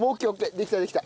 できたできた。